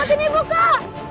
ke arah sana kak